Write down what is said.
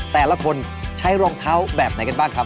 แต่ละคนใช้รองเท้าแบบไหนกันบ้างครับ